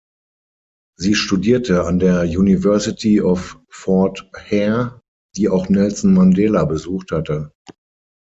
Sie studierte an der University of Fort Hare, die auch Nelson Mandela besucht hatte.